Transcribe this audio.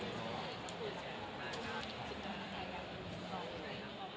โปรดติดตามตอนต่อไป